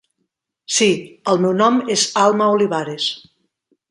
Sí, el meu nom és Alma Olivares.